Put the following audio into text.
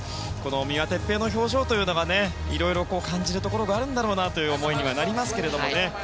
三輪哲平の表情がいろいろ感じるところがあるんだろうなという思いにはなりますけどね。